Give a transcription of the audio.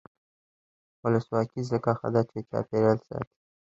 ولسواکي ځکه ښه ده چې چاپیریال ساتي.